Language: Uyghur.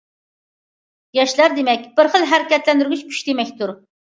ياشلار دېمەك، بىر خىل ھەرىكەتلەندۈرگۈچ كۈچ دېمەكتۇر.